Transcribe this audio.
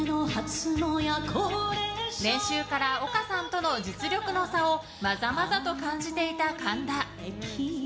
練習から丘さんとの実力の差をまざまざと感じていた神田。